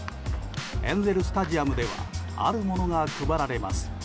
エンゼル・スタジアムではあるものが配られます。